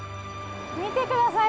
見てください！